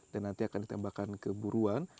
dan nanti akan ditembakkan ke buruan